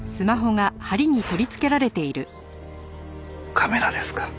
カメラですか。